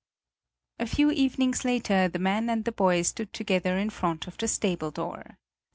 A few evenings later the man and the boy stood together in front of the stable door.